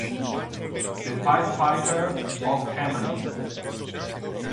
The Pied Piper of Hamelin